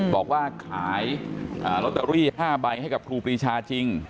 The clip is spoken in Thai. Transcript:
บอกว่าขายลอตเตอรี่๕ใบให้กับครูปรีชาจริง